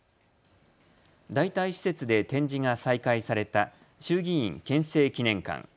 代替施設で展示が再開された衆議院憲政記念館。